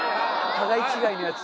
互い違いのやつ。